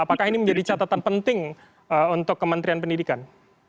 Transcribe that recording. apakah ini menjadi catatan penting untuk kementerian pendidikan